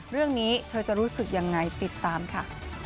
เรื่องนี้เธอจะรู้สึกยังไงติดตามค่ะ